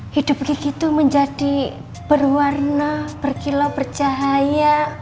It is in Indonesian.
hidup begitu menjadi berwarna berkilau bercahaya